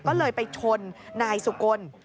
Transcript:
ก็เลยไปชนนายสุกล